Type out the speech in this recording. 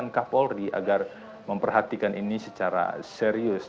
dengan kapolri agar memperhatikan ini secara serius